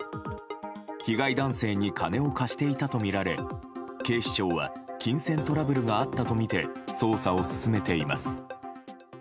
被害男性に金を貸していたとみられ警視庁は金銭トラブルがあったとみて捜査を進めています。